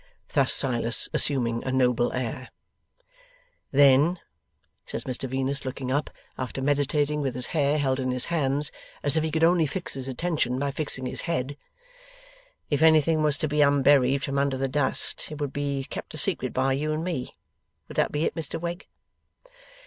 Thus Silas assuming a noble air. 'Then,' says Mr Venus, looking up, after meditating with his hair held in his hands, as if he could only fix his attention by fixing his head; 'if anything was to be unburied from under the dust, it would be kept a secret by you and me? Would that be it, Mr Wegg?